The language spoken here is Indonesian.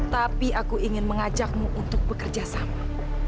tapi aku ingin mengajakmu untuk bekerjasama